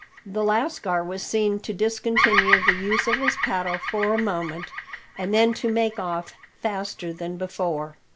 The lascar was seen to discontinue the use of his paddle for a moment, and then to make off faster than before.